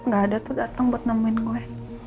gak ada tuh dateng buat nemenin gue